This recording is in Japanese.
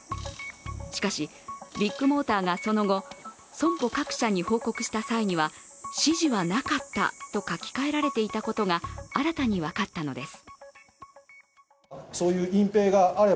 しかしビッグモーターがその後損保各社に報告した際には指示はなかったと書き換えられていたことが新たに分かったのです。